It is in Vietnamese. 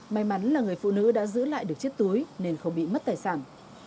may mắn là người phụ nữ đã giữ lại được chiếc túi nên không bị mất tài sản